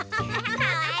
かわいい！